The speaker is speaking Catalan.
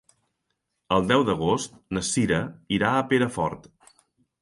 El deu d'agost na Cira irà a Perafort.